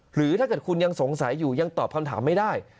หรือถ้าเกิดคุณยังสงสัยอยู่ยังตอบคำถามไม่ได้